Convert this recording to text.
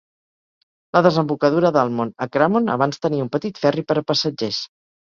La desembocadura d"Almond a Cramond abans tenia un petit ferri per a passatgers.